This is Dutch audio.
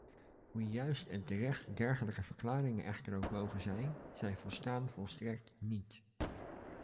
Hoe juist en terecht dergelijke verklaringen echter ook moge zijn, zij volstaan volstrekt niet.